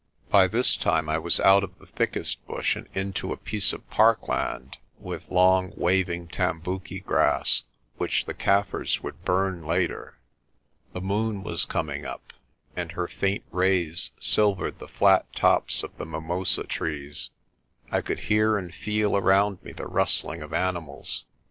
By this time I was out of the thickest bush and into a piece of parkland with long, waving tambuki grass, which the Kaffirs would burn later. The moon was coming up, and her faint rays silvered the flat tops of the mimosa trees. I could hear and feel around me the rustling of animals.